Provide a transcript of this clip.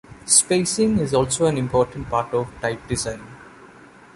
Spacing is also an important part of type design.